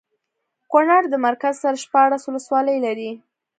کونړ د مرکز سره شپاړس ولسوالۍ لري